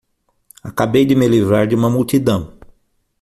Acabei de me livrar de uma multidão.